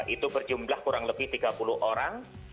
itu berjumlah kurang lebih tiga puluh orang